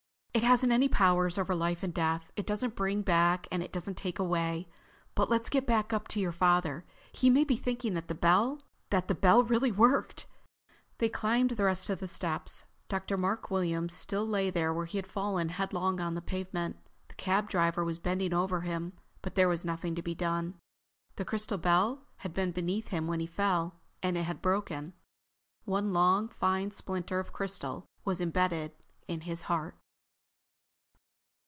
It hasn't any powers over life and death. It doesn't bring back and it doesn't take away. But let's get back up to your father. He may be thinking that the bell—that the bell really worked." They climbed the rest of the steps. Dr. Mark Williams still lay where he had fallen headlong on the pavement. The cab driver was bending over him, but there was nothing to be done. The crystal bell had been beneath him when he fell, and it had broken. One long, fine splinter of crystal was embedded in his heart.